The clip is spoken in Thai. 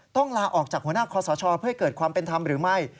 ต้องลาออกจากหัวหน้าคอสชเพื่อให้เกิดความเป็นธรรมหรือไม่